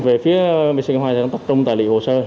về phía mỹ sài gòn chúng ta tập trung tài liệu hồ sơ